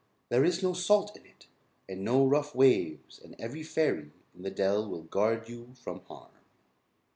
There is no salt in it, and no rough waves and every fairy in the dell will guard you from harm."